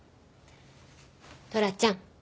トラちゃん。